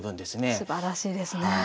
すばらしいですね。